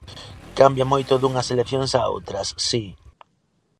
Cambia moito dunhas eleccións a outras, si.